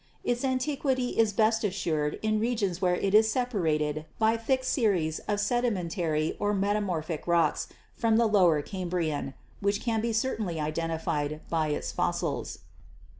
Its antiquity is best assured in regions where it is separated by thick series of sedimentary or metamorphic rocks from the Lower Cambrian, which can be certainly identified by its fossils."